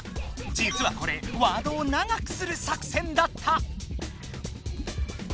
じつはこれワードを長くする作戦だった！